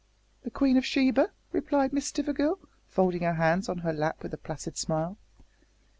"The Queen of Sheba," replied Miss Stivergill, folding her hands on her lap with a placid smile.